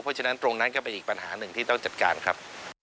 เพราะฉะนั้นตรงนั้นก็เป็นอีกปัญหาหนึ่งที่ต้องจัดการครับ